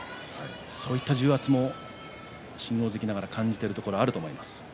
そういった重圧も新大関ながら感じているところはあると思います。